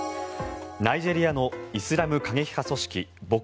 ナイジェリアのイスラム過激派組織ボコ